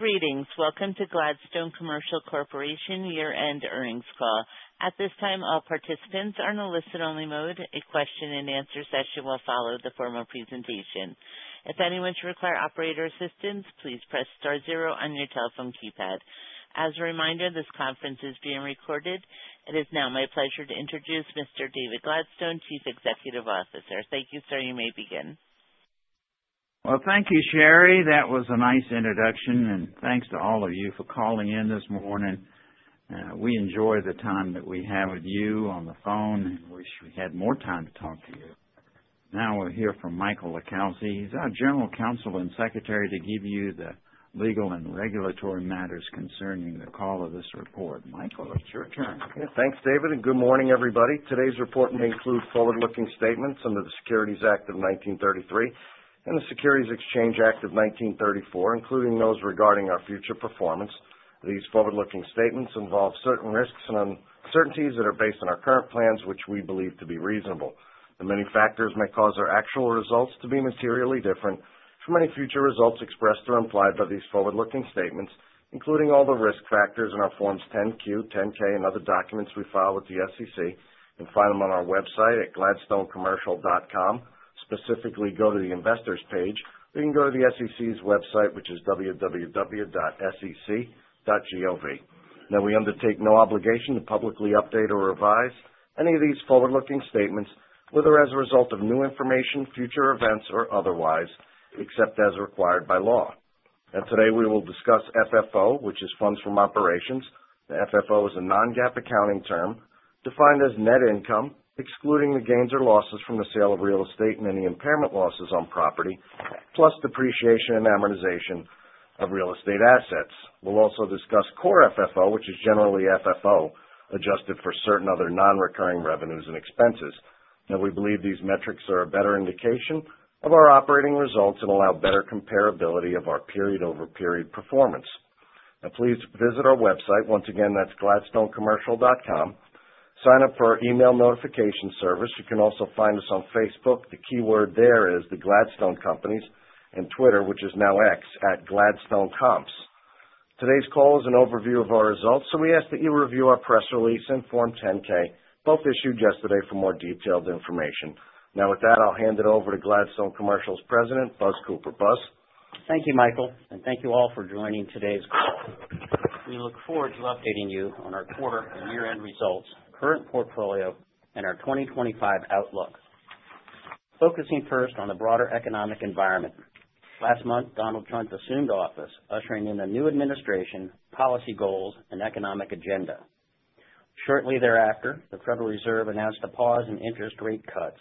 Greetings. Welcome to Gladstone Commercial Corporation Year-End Earnings Call. At this time, all participants are in a listen-only mode. A question-and-answer session will follow the formal presentation. If anyone should require operator assistance, please press star zero on your telephone keypad. As a reminder, this conference is being recorded. It is now my pleasure to introduce Mr. David Gladstone, Chief Executive Officer. Thank you, sir. You may begin. Thank you, Sherry. That was a nice introduction, and thanks to all of you for calling in this morning. We enjoy the time that we have with you on the phone and wish we had more time to talk to you. Now we'll hear from Michael LiCalsi. He's our General Counsel and Secretary to give you the legal and regulatory matters concerning the call of this report. Michael, it's your turn. Thanks, David, and good morning, everybody. Today's report may include forward-looking statements under the Securities Act of 1933 and the Securities Exchange Act of 1934, including those regarding our future performance. These forward-looking statements involve certain risks and uncertainties that are based on our current plans, which we believe to be reasonable. The many factors may cause our actual results to be materially different from any future results expressed or implied by these forward-looking statements, including all the risk factors in our Forms 10-Q, 10-K, and other documents we file with the SEC. You can find them on our website at gladstonecommercial.com. Specifically, go to the investors' page, or you can go to the SEC's website, which is www.sec.gov. Now, we undertake no obligation to publicly update or revise any of these forward-looking statements, whether as a result of new information, future events, or otherwise, except as required by law. Now, today we will discuss FFO, which is funds from operations. The FFO is a non-GAAP accounting term defined as net income, excluding the gains or losses from the sale of real estate and any impairment losses on property, plus depreciation and amortization of real estate assets. We'll also discuss core FFO, which is generally FFO, adjusted for certain other non-recurring revenues and expenses. Now, we believe these metrics are a better indication of our operating results and allow better comparability of our period-over-period performance. Now, please visit our website. Once again, that's gladstonecommercial.com. Sign up for our email notification service. You can also find us on Facebook. The keyword there is The Gladstone Companies, and Twitter, which is now X, @GladstoneComps. Today's call is an overview of our results, so we ask that you review our press release and Form 10-K, both issued yesterday, for more detailed information. Now, with that, I'll hand it over to Gladstone Commercial's President, Buzz Cooper. Buzz. Thank you, Michael, and thank you all for joining today's call. We look forward to updating you on our quarter and year-end results, current portfolio, and our 2025 outlook, focusing first on the broader economic environment. Last month, Donald Trump assumed office, ushering in a new administration, policy goals, and economic agenda. Shortly thereafter, the Federal Reserve announced a pause in interest rate cuts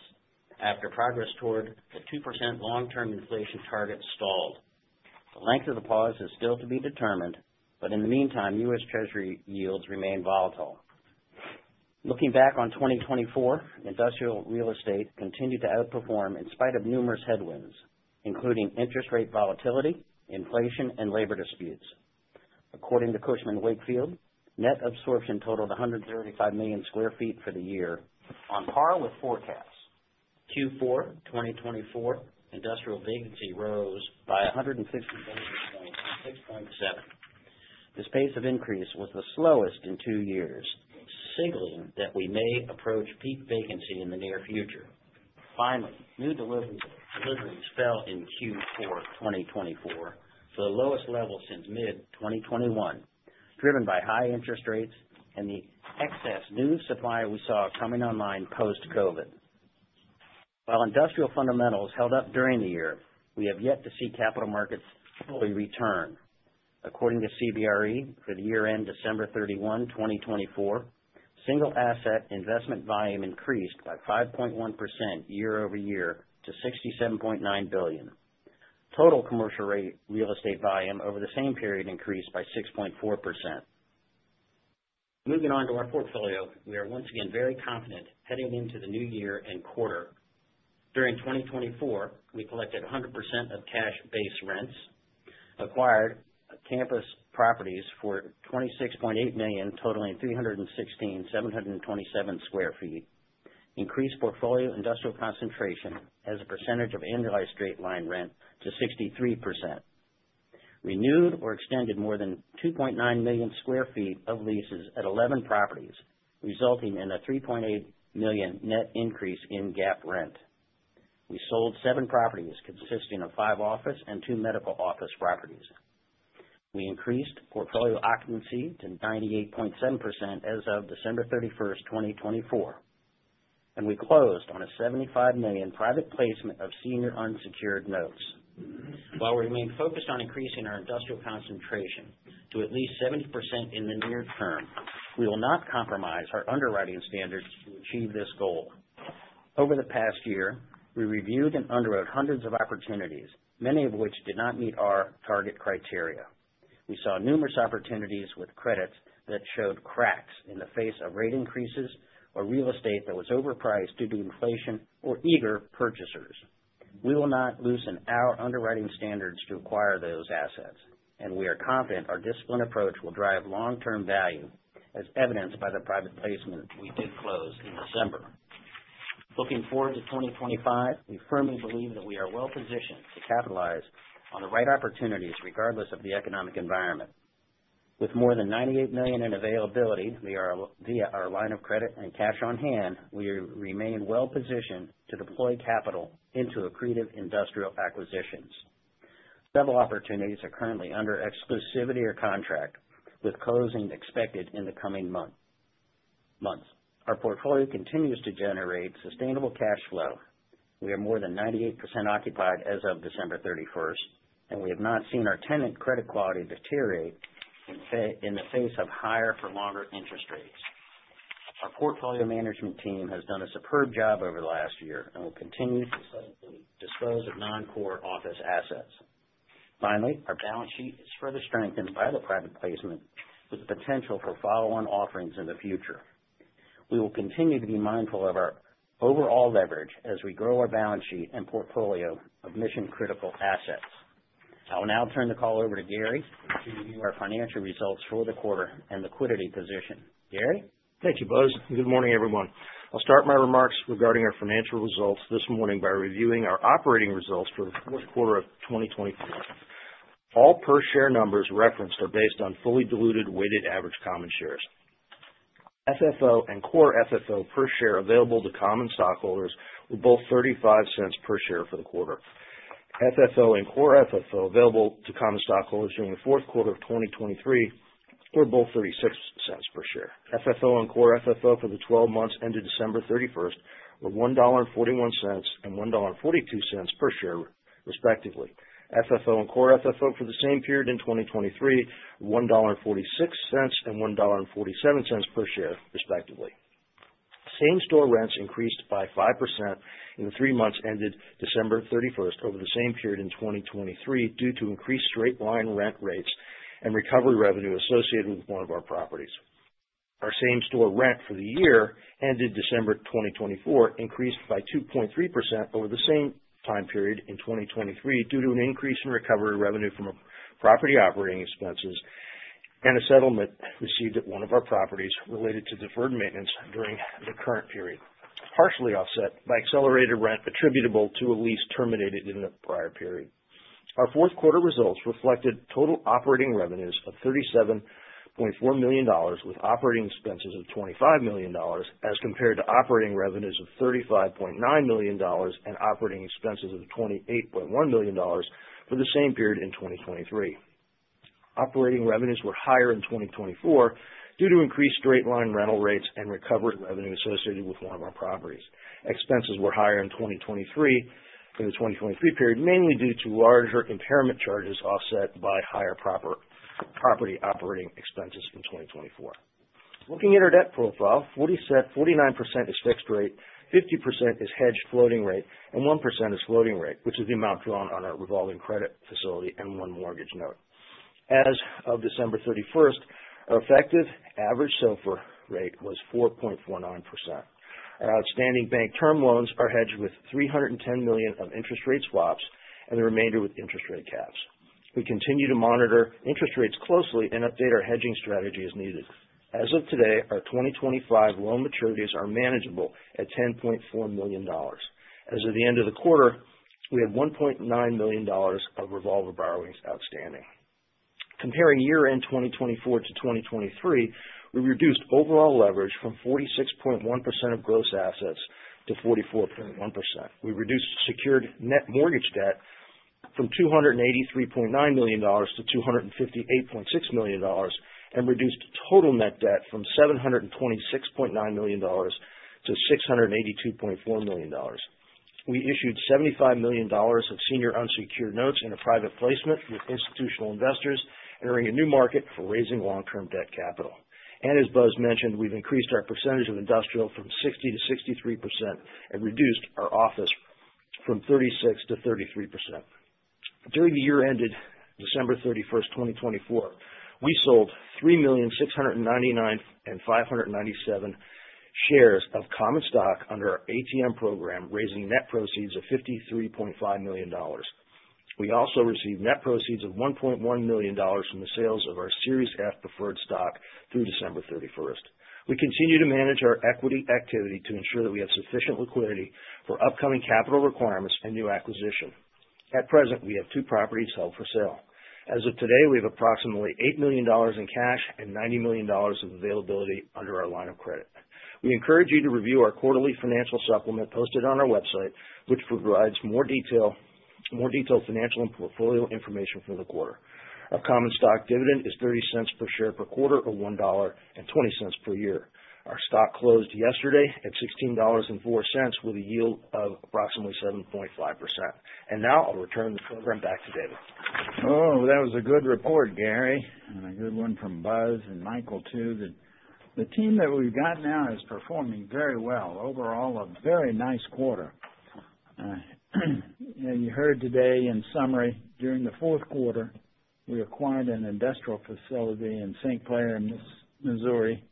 after progress toward the 2% long-term inflation target stalled. The length of the pause is still to be determined, but in the meantime, U.S. Treasury yields remain volatile. Looking back on 2024, industrial real estate continued to outperform in spite of numerous headwinds, including interest rate volatility, inflation, and labor disputes. According to Cushman & Wakefield, net absorption totaled 135 million sq ft for the year, on par with forecasts. Q4 2024, industrial vacancy rose by 160 basis points to 6.7%. This pace of increase was the slowest in two years, signaling that we may approach peak vacancy in the near future. Finally, new deliveries fell in Q4 2024 to the lowest level since mid-2021, driven by high interest rates and the excess new supply we saw coming online post-COVID. While industrial fundamentals held up during the year, we have yet to see capital markets fully return. According to CBRE, for the year-end December 31, 2024, single-asset investment volume increased by 5.1% year-over-year to $67.9 billion. Total commercial real estate volume over the same period increased by 6.4%. Moving on to our portfolio, we are once again very confident heading into the new year and quarter. During 2024, we collected 100% of cash-based rents, acquired campus properties for $26.8 million, totaling 316,727 sq ft, increased portfolio industrial concentration as a percentage of annualized straight-line rent to 63%, renewed or extended more than 2.9 million sq ft of leases at 11 properties, resulting in a $3.8 million net increase in GAAP rent. We sold seven properties consisting of five office and two medical office properties. We increased portfolio occupancy to 98.7% as of December 31st, 2024, and we closed on a $75 million private placement of senior unsecured notes. While we remain focused on increasing our industrial concentration to at least 70% in the near term, we will not compromise our underwriting standards to achieve this goal. Over the past year, we reviewed and underwrote hundreds of opportunities, many of which did not meet our target criteria. We saw numerous opportunities with credits that showed cracks in the face of rate increases or real estate that was overpriced due to inflation or eager purchasers. We will not loosen our underwriting standards to acquire those assets, and we are confident our disciplined approach will drive long-term value, as evidenced by the private placement we did close in December. Looking forward to 2025, we firmly believe that we are well-positioned to capitalize on the right opportunities regardless of the economic environment. With more than $98 million in availability via our line of credit and cash on hand, we remain well-positioned to deploy capital into accretive industrial acquisitions. Several opportunities are currently under exclusivity or contract, with closing expected in the coming months. Our portfolio continues to generate sustainable cash flow. We are more than 98% occupied as of December 31st, and we have not seen our tenant credit quality deteriorate in the face of higher for longer interest rates. Our portfolio management team has done a superb job over the last year and will continue to dispose of non-core office assets. Finally, our balance sheet is further strengthened by the private placement, with the potential for follow-on offerings in the future. We will continue to be mindful of our overall leverage as we grow our balance sheet and portfolio of mission-critical assets. I will now turn the call over to Gary to review our financial results for the quarter and liquidity position. Gary? Thank you, Buzz. Good morning, everyone. I'll start my remarks regarding our financial results this morning by reviewing our operating results for the first quarter of 2024. All per-share numbers referenced are based on fully diluted weighted average common shares. FFO and core FFO per share available to common stockholders were both $0.35 per share for the quarter. FFO and core FFO available to common stockholders during the fourth quarter of 2023 were both $0.36 per share. FFO and core FFO for the 12 months ended December 31st were $1.41 and $1.42 per share, respectively. FFO and core FFO for the same period in 2023 were $1.46 and $1.47 per share, respectively. Same-store rents increased by five percent in the three months ended December 31st over the same period in 2023 due to increased straight-line rent rates and recovery revenue associated with one of our properties. Our same-store rent for the year ended December 2024 increased by 2.3% over the same time period in 2023 due to an increase in recovery revenue from property operating expenses and a settlement received at one of our properties related to deferred maintenance during the current period, partially offset by accelerated rent attributable to a lease terminated in the prior period. Our fourth quarter results reflected total operating revenues of $37.4 million, with operating expenses of $25 million, as compared to operating revenues of $35.9 million and operating expenses of $28.1 million for the same period in 2023. Operating revenues were higher in 2024 due to increased straight-line rental rates and recovered revenue associated with one of our properties. Expenses were higher in 2023 for the 2023 period, mainly due to larger impairment charges offset by higher property operating expenses in 2024. Looking at our debt profile, 49% is fixed rate, 50% is hedged floating rate, and one percent is floating rate, which is the amount drawn on our revolving credit facility and one mortgage note. As of December 31st, our effective average SOFR rate was 4.49%. Our outstanding bank term loans are hedged with $310 million of interest rate swaps and the remainder with interest rate caps. We continue to monitor interest rates closely and update our hedging strategy as needed. As of today, our 2025 loan maturities are manageable at $10.4 million. As of the end of the quarter, we have $1.9 million of revolving borrowings outstanding. Comparing year-end 2024 to 2023, we reduced overall leverage from 46.1% of gross assets to 44.1%. We reduced secured net mortgage debt from $283.9 million-$258.6 million and reduced total net debt from $726.9 million-$682.4 million. We issued $75 million of senior unsecured notes in a private placement with institutional investors and are in a new market for raising long-term debt capital, and as Buzz mentioned, we've increased our percentage of industrial from 60%-63% and reduced our office from 36%-33%. During the year-ended December 31st, 2024, we sold 3,699,597 shares of common stock under our ATM program, raising net proceeds of $53.5 million. We also received net proceeds of $1.1 million from the sales of our Series F preferred stock through December 31st. We continue to manage our equity activity to ensure that we have sufficient liquidity for upcoming capital requirements and new acquisitions. At present, we have two properties held for sale. As of today, we have approximately $8 million in cash and $90 million of availability under our line of credit. We encourage you to review our quarterly financial supplement posted on our website, which provides more detailed financial and portfolio information for the quarter. Our common stock dividend is $0.30 per share per quarter or $1.20 per year. Our stock closed yesterday at $16.04 with a yield of approximately 7.5%, and now I'll return the program back to David. Oh, that was a good report, Gary, and a good one from Buzz and Michael too. The team that we've got now is performing very well overall, a very nice quarter. As you heard today, in summary, during the fourth quarter, we acquired an industrial facility in St. Clair, Missouri,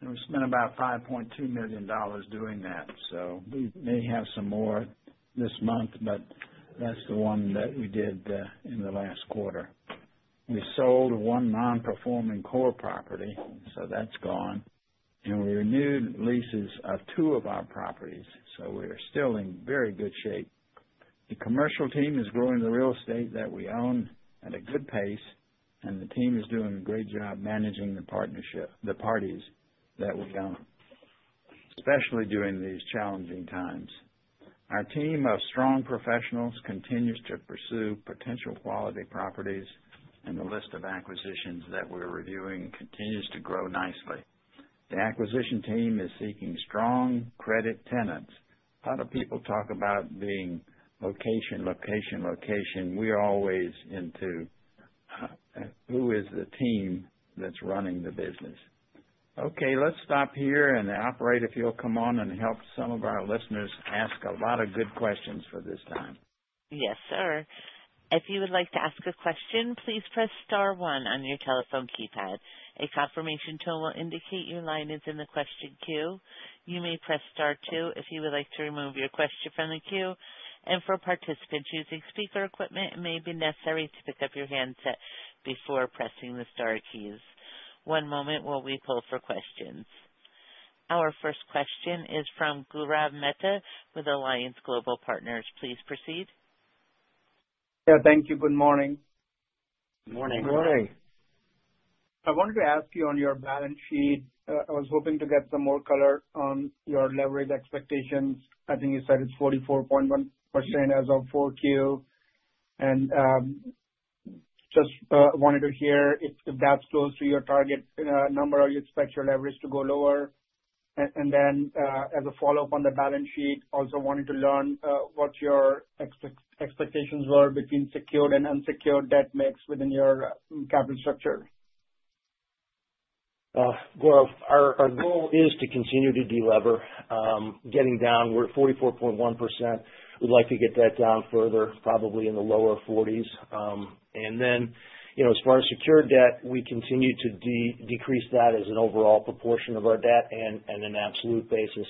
and we spent about $5.2 million doing that. So we may have some more this month, but that's the one that we did in the last quarter. We sold one non-performing core property, so that's gone, and we renewed leases of two of our properties, so we are still in very good shape. The commercial team is growing the real estate that we own at a good pace, and the team is doing a great job managing the properties that we own, especially during these challenging times. Our team of strong professionals continues to pursue potential quality properties, and the list of acquisitions that we're reviewing continues to grow nicely. The acquisition team is seeking strong credit tenants. A lot of people talk about being location, location, location. We're always into who is the team that's running the business. Okay, let's stop here, and the operator, if you'll come on and help some of our listeners ask a lot of good questions for this time. Yes, sir. If you would like to ask a question, please press star one on your telephone keypad. A confirmation tone will indicate your line is in the question queue. You may press star two if you would like to remove your question from the queue. And for participants using speaker equipment, it may be necessary to pick up your handset before pressing the star keys. One moment while we pull for questions. Our first question is from Gaurav Mehta with Alliance Global Partners. Please proceed. Yeah, thank you. Good morning. Good morning. Good morning. I wanted to ask you on your balance sheet. I was hoping to get some more color on your leverage expectations. I think you said it's 44.1% as of 4Q, and just wanted to hear if that's close to your target number or you expect your leverage to go lower, and then, as a follow-up on the balance sheet, also wanted to learn what your expectations were between secured and unsecured debt mix within your capital structure. Well, our goal is to continue to deliver. Getting down, we're at 44.1%. We'd like to get that down further, probably in the lower 40s. And then, as far as secured debt, we continue to decrease that as an overall proportion of our debt and an absolute basis.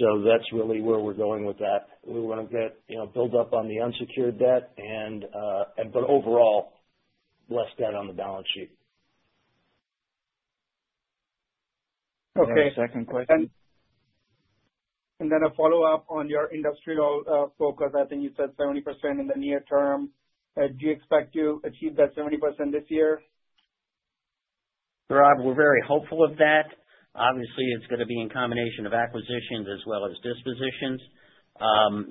So that's really where we're going with that. We want to build up on the unsecured debt, but overall, less debt on the balance sheet. Okay. Second question. A follow-up on your industrial focus. I think you said 70% in the near term. Do you expect to achieve that 70% this year? We're very hopeful of that. Obviously, it's going to be in combination of acquisitions as well as dispositions,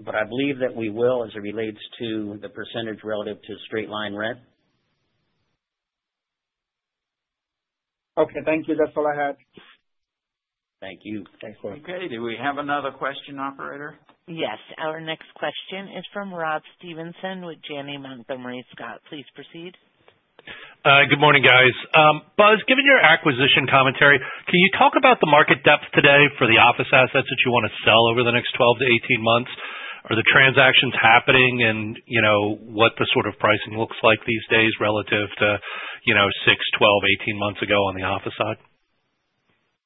but I believe that we will as it relates to the percentage relative to straight-line rent. Okay. Thank you. That's all I had. Thank you. Thanks, Buzz. Okay. Do we have another question, operator? Yes. Our next question is from Rob Stevenson with Janney Montgomery Scott. Please proceed. Good morning, guys. Buzz, given your acquisition commentary, can you talk about the market depth today for the office assets that you want to sell over the next 12-18 months? Are the transactions happening and what the sort of pricing looks like these days relative to 6, 12, 18 months ago on the office side?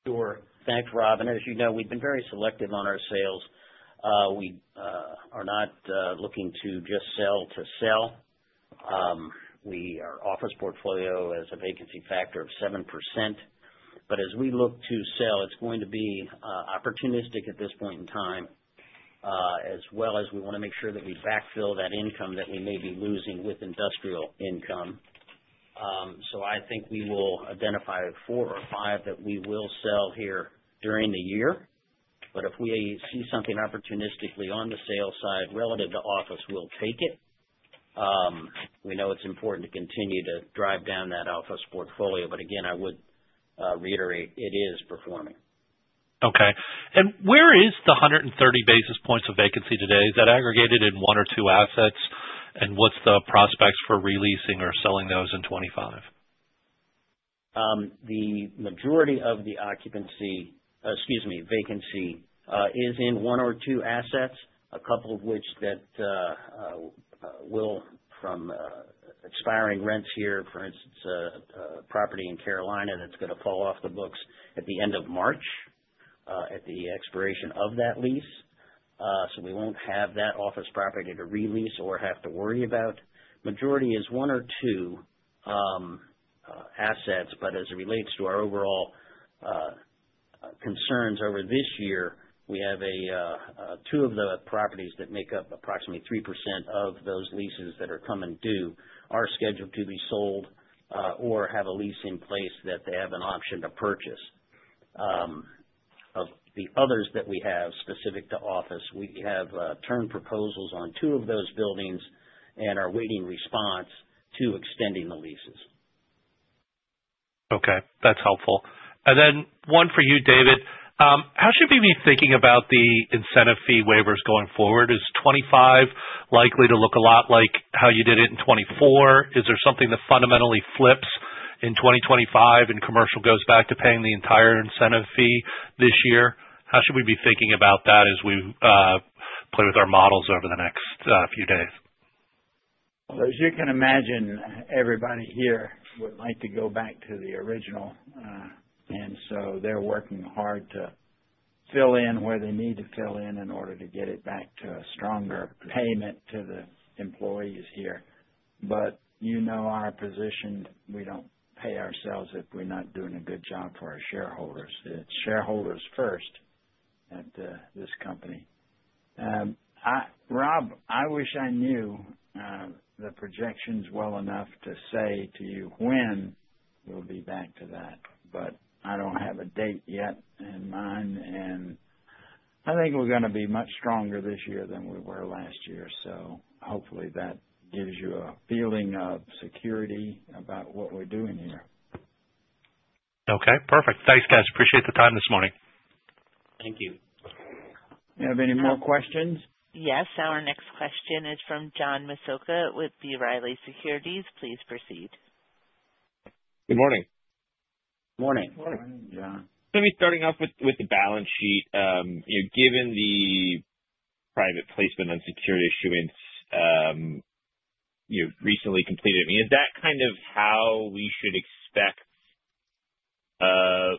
Sure. Thanks, Robin. As you know, we've been very selective on our sales. We are not looking to just sell to sell. Our office portfolio has a vacancy factor of seven percent. But as we look to sell, it's going to be opportunistic at this point in time, as well as we want to make sure that we backfill that income that we may be losing with industrial income. So I think we will identify four or five that we will sell here during the year. But if we see something opportunistically on the sale side relative to office, we'll take it. We know it's important to continue to drive down that office portfolio. But again, I would reiterate, it is performing. Okay. And where is the 130 basis points of vacancy today? Is that aggregated in one or two assets? And what's the prospects for releasing or selling those in 2025? The majority of the occupancy, excuse me, vacancy, is in one or two assets, a couple of which that will from expiring rents here, for instance, a property in North Carolina that's going to fall off the books at the end of March at the expiration of that lease. So we won't have that office property to release or have to worry about. The majority is one or two assets. But as it relates to our overall concerns over this year, we have two of the properties that make up approximately three percent of those leases that are come and due are scheduled to be sold or have a lease in place that they have an option to purchase. Of the others that we have specific to office, we have turned proposals on two of those buildings and are waiting response to extending the leases. Okay. That's helpful. And then one for you, David. How should we be thinking about the incentive fee waivers going forward? Is 2025 likely to look a lot like how you did it in 2024? Is there something that fundamentally flips in 2025 and commercial goes back to paying the entire incentive fee this year? How should we be thinking about that as we play with our models over the next few days? As you can imagine, everybody here would like to go back to the original. And so they're working hard to fill in where they need to fill in in order to get it back to a stronger payment to the employees here. But you know our position. We don't pay ourselves if we're not doing a good job for our shareholders. It's shareholders first at this company. Rob, I wish I knew the projections well enough to say to you when we'll be back to that. But I don't have a date yet in mind. And I think we're going to be much stronger this year than we were last year. So hopefully that gives you a feeling of security about what we're doing here. Okay. Perfect. Thanks, guys. Appreciate the time this morning. Thank you. Do you have any more questions? Yes. Our next question is from John Massocca with B. Riley Securities. Please proceed. Good morning. Morning. Morning, John. Let me start off with the balance sheet. Given the private placement on secured issuance recently completed, I mean, is that kind of how we should expect funding to go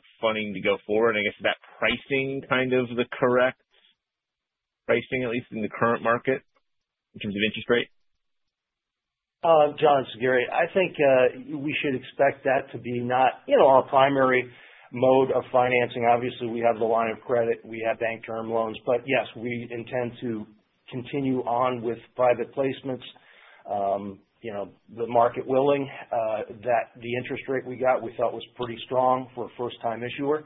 forward? And I guess is that pricing kind of the correct pricing, at least in the current market in terms of interest rate? John, it's Gary. I think we should expect that to be not our primary mode of financing. Obviously, we have the line of credit. We have bank term loans. But yes, we intend to continue on with private placements, the market willing, that the interest rate we got we thought was pretty strong for a first-time issuer.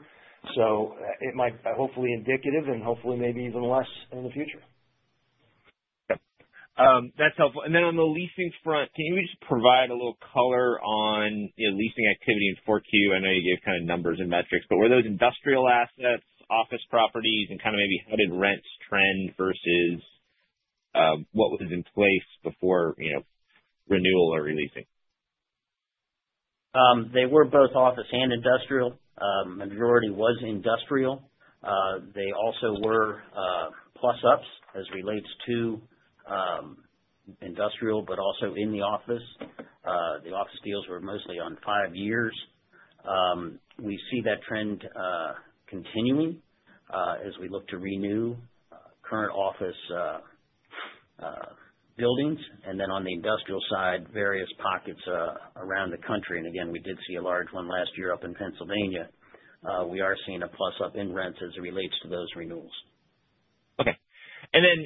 So it might be hopefully indicative and hopefully maybe even less in the future. Yep. That's helpful. And then on the leasing front, can you just provide a little color on leasing activity in 4Q? I know you gave kind of numbers and metrics, but were those industrial assets, office properties, and kind of maybe how did rents trend versus what was in place before renewal or releasing? They were both office and industrial. The majority was industrial. They also were plus-ups as it relates to industrial, but also in the office. The office deals were mostly on five years. We see that trend continuing as we look to renew current office buildings. And then on the industrial side, various pockets around the country. And again, we did see a large one last year up in Pennsylvania. We are seeing a plus-up in rents as it relates to those renewals. Okay, and then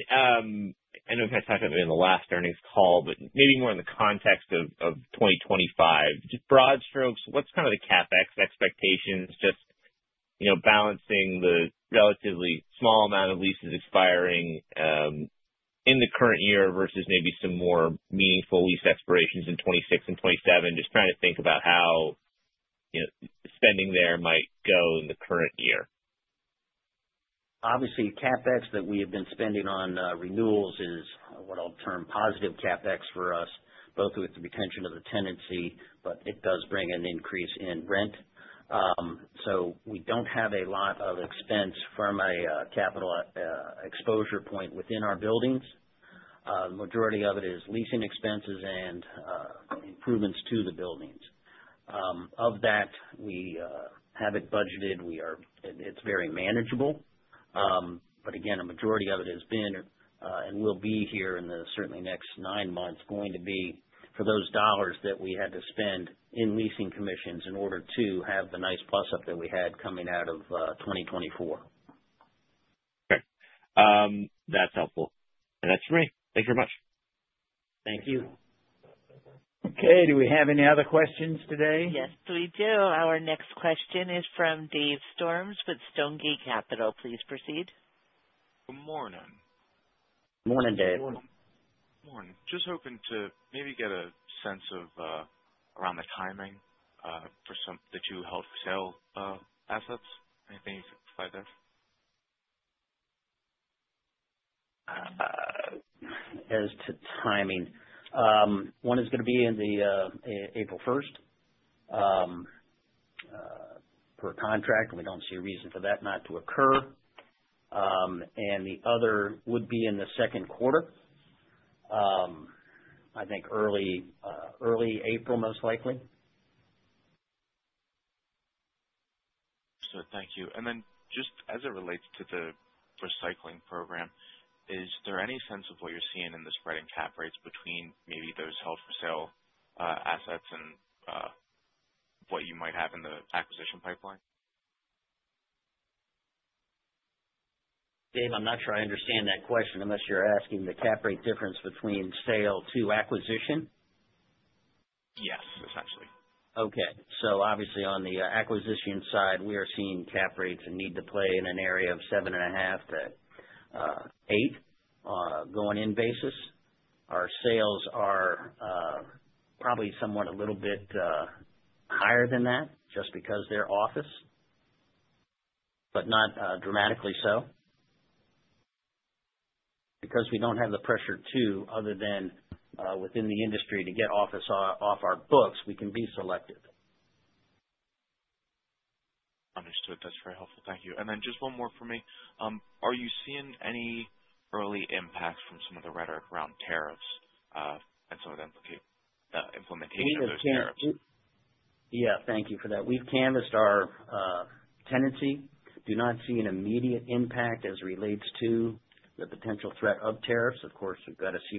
I know we've had time in the last earnings call, but maybe more in the context of 2025. Just broad strokes, what's kind of the CapEx expectations just balancing the relatively small amount of leases expiring in the current year versus maybe some more meaningful lease expirations in 2026 and 2027? Just trying to think about how spending there might go in the current year. Obviously, CapEx that we have been spending on renewals is what I'll term positive CapEx for us, both with the retention of the tenancy, but it does bring an increase in rent. So we don't have a lot of expense from a capital expenditure point within our buildings. The majority of it is leasing expenses and improvements to the buildings. Of that, we have it budgeted. It's very manageable. But again, a majority of it has been and will be here in the certainly next nine months going to be for those dollars that we had to spend in leasing commissions in order to have the nice plus-up that we had coming out of 2024. Okay. That's helpful, and that's for me. Thank you very much. Thank you. Okay. Do we have any other questions today? Yes, we do. Our next question is from Dave Storms with Stonegate Capital. Please proceed. Good morning. Good morning, Dave. Good morning. Just hoping to maybe get a sense of around the timing for some of the two hotel assets. Anything you can provide there? As to timing, one is going to be in April first per contract. We don't see a reason for that not to occur. And the other would be in the second quarter, I think early April, most likely. So thank you. And then just as it relates to the recycling program, is there any sense of what you're seeing in the spreading cap rates between maybe those held for sale assets and what you might have in the acquisition pipeline? Dave, I'm not sure I understand that question unless you're asking the cap rate difference between sale to acquisition. Yes, essentially. Okay. Obviously, on the acquisition side, we are seeing cap rates need to play in an area of 7.5%-8% going-in basis. Our sales are probably somewhat a little bit higher than that just because they're office, but not dramatically so. Because we don't have the pressure to, other than within the industry, to get office off our books, we can be selective. Understood. That's very helpful. Thank you. And then just one more for me. Are you seeing any early impacts from some of the rhetoric around tariffs and some of the implementation of those tariffs? Yeah. Thank you for that. We've canvassed our tenancy. Do not see an immediate impact as it relates to the potential threat of tariffs. Of course, we've got to see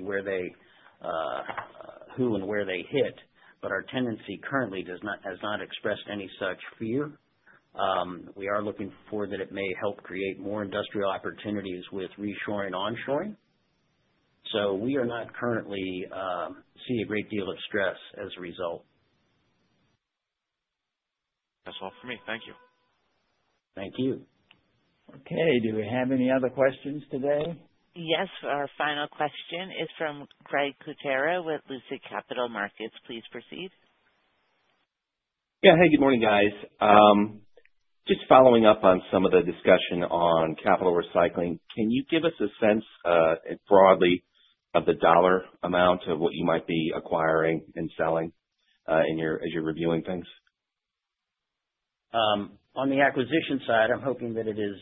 who and where they hit. But our tenancy currently has not expressed any such fear. We are looking forward that it may help create more industrial opportunities with reshoring and onshoring. So we are not currently seeing a great deal of stress as a result. That's all for me. Thank you. Thank you. Okay. Do we have any other questions today? Yes. Our final question is from Craig Kucera with Lucid Capital Markets. Please proceed. Yeah. Hey, good morning, guys. Just following up on some of the discussion on capital recycling, can you give us a sense broadly of the dollar amount of what you might be acquiring and selling as you're reviewing things? On the acquisition side, I'm hoping that it is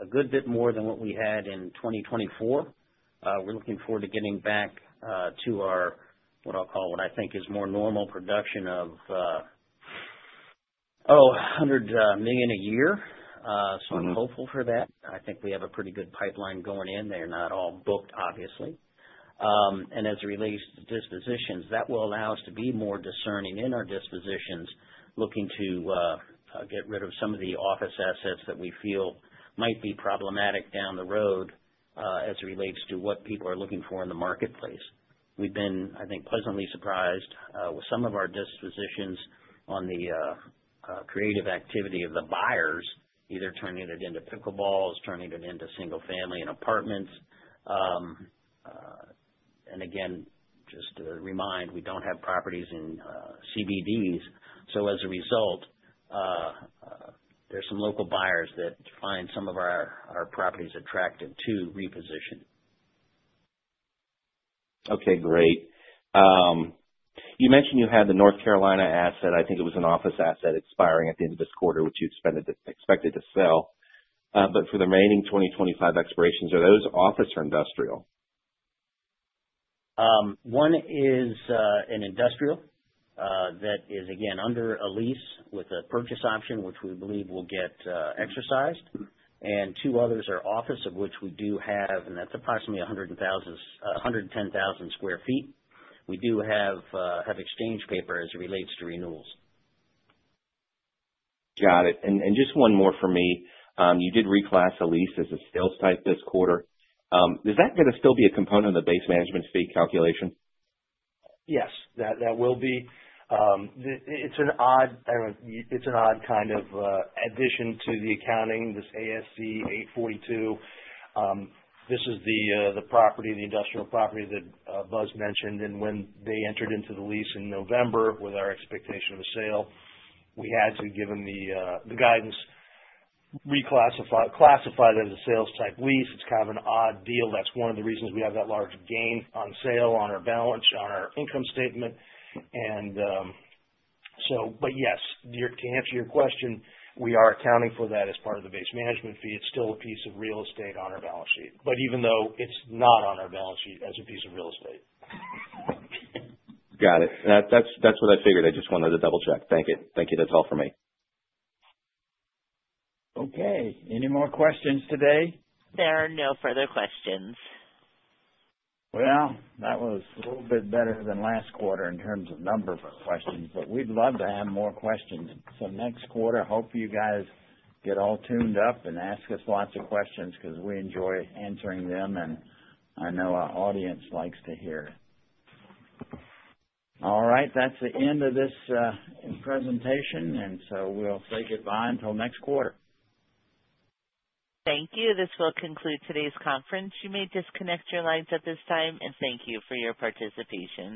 a good bit more than what we had in 2024. We're looking forward to getting back to our what I'll call what I think is more normal production of, oh, $100 million a year. So I'm hopeful for that. I think we have a pretty good pipeline going in. They're not all booked, obviously. And as it relates to dispositions, that will allow us to be more discerning in our dispositions, looking to get rid of some of the office assets that we feel might be problematic down the road as it relates to what people are looking for in the marketplace. We've been, I think, pleasantly surprised with some of our dispositions on the creative activity of the buyers, either turning it into pickleballs, turning it into single-family and apartments. Again, just to remind, we don't have properties in CBDs. So as a result, there's some local buyers that find some of our properties attractive to reposition. Okay. Great. You mentioned you had the North Carolina asset. I think it was an office asset expiring at the end of this quarter, which you expected to sell. But for the remaining 2025 expirations, are those office or industrial? One is an industrial that is, again, under a lease with a purchase option, which we believe will get exercised. And two others are office, of which we do have, and that's approximately 110,000 sq ft. We do have exchange paper as it relates to renewals. Got it. And just one more for me. You did reclass a lease as a sales type this quarter. Is that going to still be a component of the base management fee calculation? Yes, that will be. It's an odd kind of addition to the accounting, this ASC 842. This is the property, the industrial property that Buzz mentioned. And when they entered into the lease in November with our expectation of a sale, we had to, given the guidance, reclassify it as a sales type lease. It's kind of an odd deal. That's one of the reasons we have that large gain on sale on our balance sheet, on our income statement. But yes, to answer your question, we are accounting for that as part of the base management fee. It's still a piece of real estate on our balance sheet, but even though it's not on our balance sheet as a piece of real estate. Got it. That's what I figured. I just wanted to double-check. Thank you. Thank you. That's all for me. Okay. Any more questions today? There are no further questions. Well, that was a little bit better than last quarter in terms of number of questions, but we'd love to have more questions. So next quarter, hope you guys get all tuned up and ask us lots of questions because we enjoy answering them. And I know our audience likes to hear it. All right. That's the end of this presentation. And so we'll say goodbye until next quarter. Thank you. This will conclude today's conference. You may disconnect your lines at this time. And thank you for your participation.